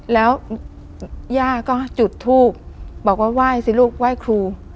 แล้วย่าก็จุดทูบบอกว่าไหว้สิลูกไหว้ครู